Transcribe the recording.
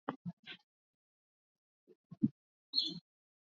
kubadilisha na chama hicho kubakia bila ya uongozi